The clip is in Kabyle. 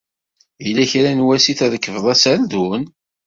Yella kra n wass i trekbeḍ aserdun?